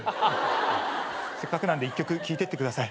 せっかくなんで１曲聴いてってください。